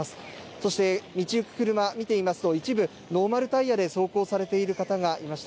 そして、道行く車を見ていますと一部、ノーマルタイヤで走行されている方がいました。